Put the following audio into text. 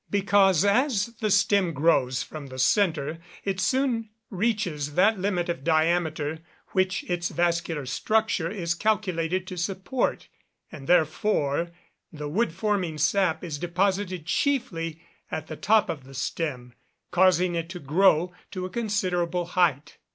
_ Because, as the stem grows from the centre, it soon reaches that limit of diameter which its vascular structure is calculated to support; and, therefore, the wood forming sap is deposited chiefly at the top of the stem, causing it to grow to a considerable height.